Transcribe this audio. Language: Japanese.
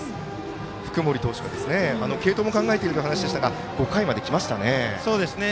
福盛投手が継投も考えているという話でしたが５回まできましたね。